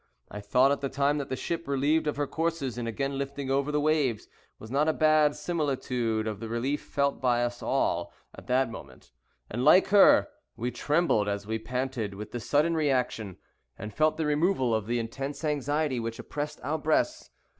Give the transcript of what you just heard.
I thought at the time that the ship, relieved of her courses, and again lifting over the waves, was not a bad similitude of the relief felt by us all at that moment; and, like her, we trembled as we panted with the sudden reaction, and felt the removal of the intense anxiety which oppressed our breasts.